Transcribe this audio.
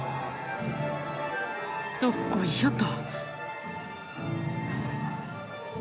どっこいしょっと。